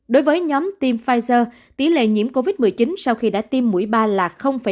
đối với nhóm tiêm pfizer tỷ lệ nhiễm covid một mươi chín sau khi đã tiêm mũi ba là năm